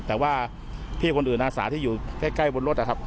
แต่ว่าพี่คนอื่นอาสาที่อยู่ใกล้บนรถนะครับ